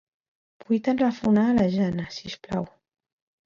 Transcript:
Vull telefonar a la Jana, si us plau.